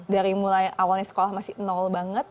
dari mulai awalnya sekolah masih nol banget